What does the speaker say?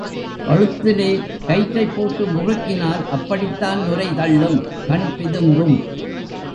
கழுத்திலே கயிற்றைப் போட்டு முறுக்கினால் அப்படித்தான் நுரை தள்ளும் கண் பிதுங்கும்.